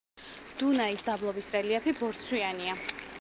დუნაის დაბლობის რელიეფი ბორცვიანია.